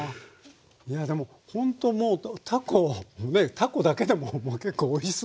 いやでもほんともうたこねえたこだけでももう結構おいしそうに。